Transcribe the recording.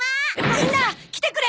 みんな来てくれ！